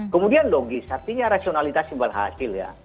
kemudian logis artinya rasionalitas yang berhasil ya